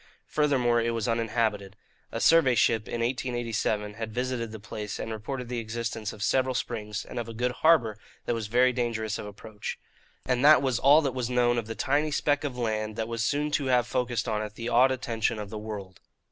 Furthermore, it was uninhabited. A survey ship, in 1887, had visited the place and reported the existence of several springs and of a good harbour that was very dangerous of approach. And that was all that was known of the tiny speck of land that was soon to have focussed on it the awed attention of the world.